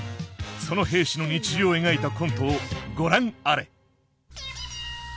その兵士の日常を描いたコントをご覧あれ！